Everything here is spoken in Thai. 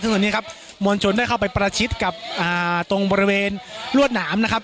ซึ่งวันนี้ครับมวลชนได้เข้าไปประชิดกับตรงบริเวณลวดหนามนะครับ